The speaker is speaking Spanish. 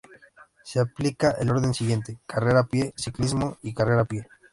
Se aplica el orden siguiente: carrera a pie, ciclismo y carrera a pie.